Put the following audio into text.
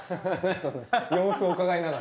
その様子をうかがいながら。